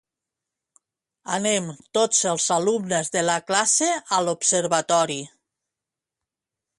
Anem tots els alumnes de la classe a l'observatori